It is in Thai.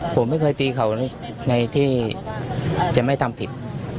ผมไม่เคยตีเขาในที่จะไม่ทำผิด